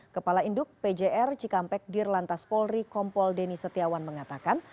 kepala induk pjr cikampek dirlantas polri kompol deni setiawan mengatakan